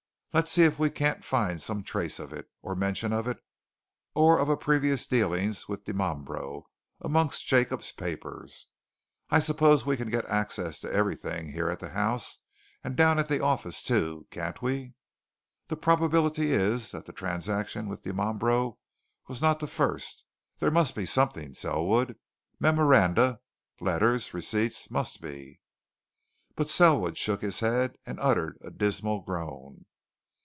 Let's see if we can't find some trace of it, or some mention of it, or of previous dealings with Dimambro, amongst Jacob's papers. I suppose we can get access to everything here at the house, and down at the office, too, can't we? The probability is that the transaction with Dimambro was not the first. There must be something, Selwood memoranda, letters, receipts must be!" But Selwood shook his head and uttered a dismal groan.